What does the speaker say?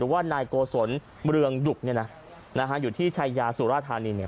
ว่านายโกศลเรืองดุกอยู่ที่ชายยาสุรธานี